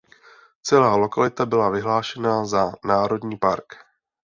Celá lokalita byla vyhlášena za národní park.